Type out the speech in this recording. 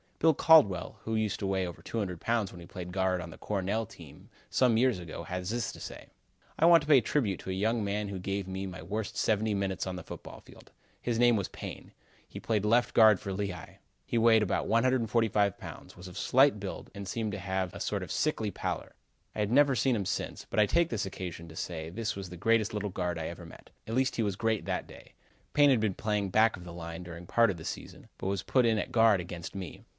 Bill Caldwell, who used to weigh over 200 pounds when he played guard on the Cornell team some years ago, has this to say: "I want to pay a tribute to a young man who gave me my worst seventy minutes on the football field. His name was Payne. He played left guard for Lehigh. He weighed about 145 pounds; was of slight build and seemed to have a sort of sickly pallor. I have never seen him since, but I take this occasion to say this was the greatest little guard I ever met. At least he was great that day. Payne had been playing back of the line during part of the season, but was put in at guard against me.